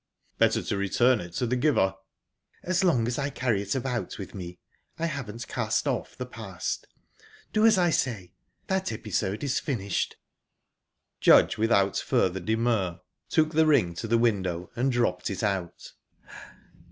"Better to return it to the giver." "As long as I carry it about with me, I haven't cast off the past. Do as I say. That episode is finished." Judge, without further demur, took the ring to the window and dropped it out.